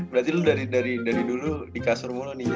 berarti lu dari dulu di kasur wono nih